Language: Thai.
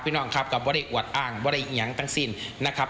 พี่น้องครับก็บริหวัดอ้างบริหยังตั้งสิ้นนะครับ